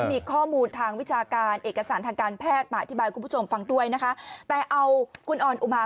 ทีมชาติไทยใช่ไหมคะ